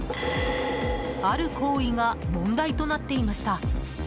ある行為が問題となっていました。